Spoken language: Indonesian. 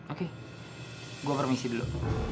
oke gue permisi dulu